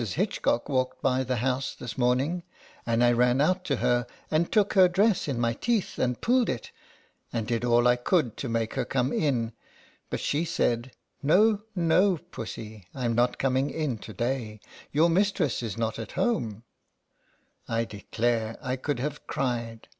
Hitchcock walked by the house this morning, and I ran out to her, and took her dress in my teeth and pulled it, and did all I could to make her come in, but she said, " No, no, pussy, I 'm not coming in to day; your mistress is not at home/' I declare I could have cried.